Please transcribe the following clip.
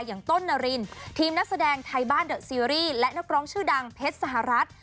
อย่างต้นนารินทีมนักแสดงไทยบ้านเดอะซีรีส์และนักร้องชื่อดังเพชรสหรัฐ